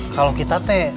kalau kita te